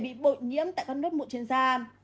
bị bội nhiễm tại các nốt mụn trên da